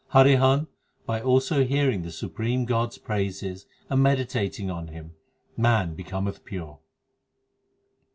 Harihan, by also hearing the supreme God s praises and meditating on Him, man becometh pure.